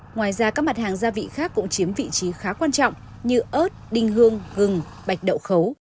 ngoài ra các mặt hàng gia vị khác cũng chiếm vị trí khá quan trọng như ớt đinh hương gừng bạch đậu khấu